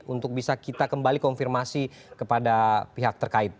untuk bisa kita kembali konfirmasi kepada pihak terkait